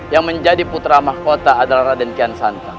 yang menjadi putra mahkota adalah raden kian santa